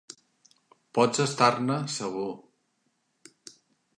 Pots estar-ne segur!